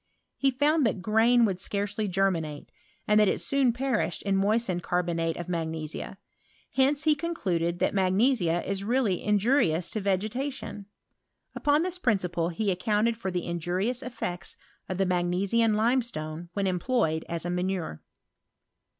He found that grain would y germinate, and that it soon perished in aed cari)onate of magnesia:* hence he con* ! that magnesia is really injurious to vege^* Upon this principle he accounted for the UB effects of the magnesian limestone when fed as a manure.